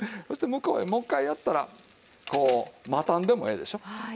そして向こうへもう一回やったらこう待たんでもええでしょう。